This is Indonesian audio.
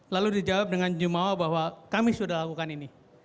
lalu dijawab dengan jumawa bahwa kami sudah lakukan ini